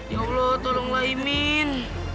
ya allah tolonglah imin